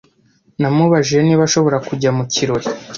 Namubajije niba ashobora kujya mu kirori.